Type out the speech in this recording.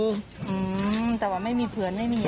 อืมแต่ว่าไม่มีเพื่อนไม่มี